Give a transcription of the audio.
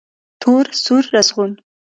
تور، سور، رزغون